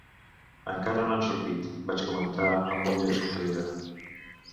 Encara no han sortit, vaig comentar amb un lleu somriure.